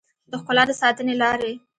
د ښکلا د ساتنې لارې